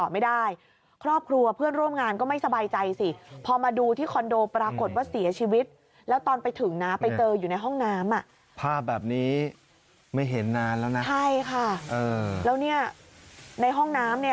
ไม่เห็นนานแล้วนะเออใช่ค่ะแล้วนี่ในห้องน้ำ